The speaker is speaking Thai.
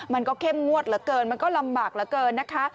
มันก็เข้มงวดเหลือเกินมันก็ลำบากเหลือเกินนะคะ